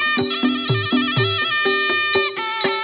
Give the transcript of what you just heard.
โชว์ที่สุดท้าย